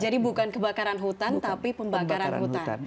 jadi bukan kebakaran hutan tapi pembakaran hutan